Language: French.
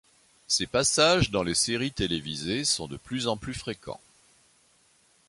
Ses passages dans les séries télévisées sont de plus en plus fréquents.